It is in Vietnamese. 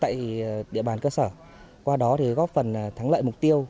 tại địa bàn cơ sở qua đó thì góp phần thắng lợi mục tiêu